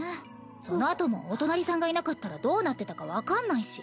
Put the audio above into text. そのあともお隣さんがいなかったらどうなってたか分かんないし。